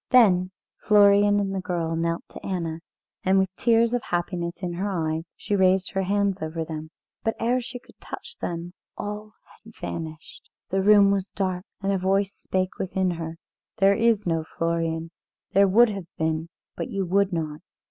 Then Florian and the girl knelt to Anna, and with tears of happiness in her eyes she raised her hands over them. But ere she could touch them all had vanished. The room was dark, and a voice spake within her: "There is no Florian; there would have been, but you would not.